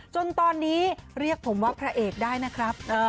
จนตอนนี้เรียกผมว่าพระเอกได้นะครับ